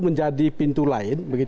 menjadi pintu lain